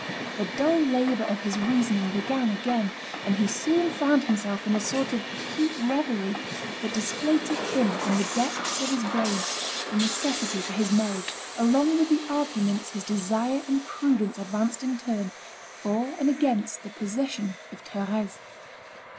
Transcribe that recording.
The dull labour of his reasoning began again; and he soon found himself in a sort of acute reverie that displayed to him in the depths of his brain, the necessity for his marriage, along with the arguments his desire and prudence advanced in turn, for and against the possession of Thérèse.